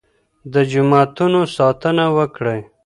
د جوماتونو ساتنه وکړئ.